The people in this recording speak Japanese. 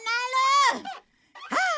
ああ！